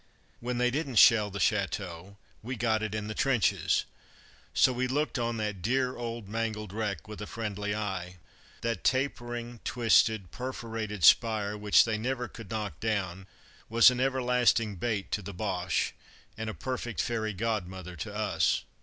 When they didn't shell the chateau, we got it in the trenches; so we looked on that dear old mangled wreck with a friendly eye that tapering, twisted, perforated spire, which they never could knock down, was an everlasting bait to the Boche, and a perfect fairy godmother to us.